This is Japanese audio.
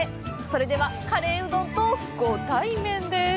それでは、カレーうどんとご対面です！